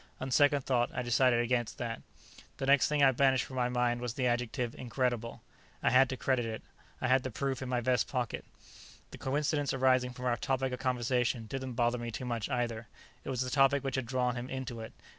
On second thought, I decided against that. The next thing I banished from my mind was the adjective "incredible." I had to credit it; I had the proof in my vest pocket. The coincidence arising from our topic of conversation didn't bother me too much, either. It was the topic which had drawn him into it.